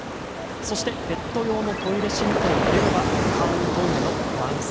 そして、ペット用のトイレシートを入れれば簡易トイレ完成。